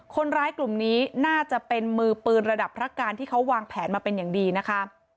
คนร้ายกลุ่มนี้น่าจะเป็นมือปืนระดับพระการที่เขาวางแผนมาเป็นอย่างดีนะคะ